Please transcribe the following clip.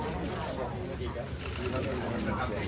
สวัสดีครับ